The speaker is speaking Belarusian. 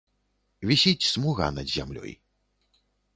Вісіць смуга над зямлёй.